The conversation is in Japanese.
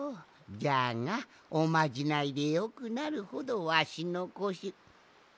じゃがおまじないでよくなるほどわしのこしホエ？